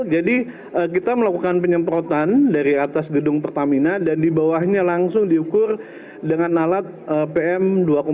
jadi kita melakukan penyeprotan dari atas gedung pertamina dan di bawahnya langsung diukur dengan alat pm dua lima